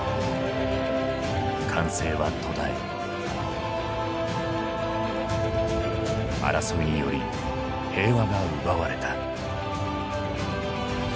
歓声は、途絶え争いにより平和が奪われた。